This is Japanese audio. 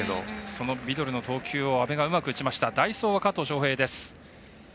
そのビドルの投球阿部がうまく打ちました代走は加藤翔平です。